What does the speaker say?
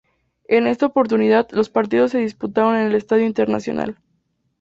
En esta oportunidad, los partidos se disputaron en el Estadio Internacional.